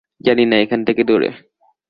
জানি না, এখান থেকে দূরে।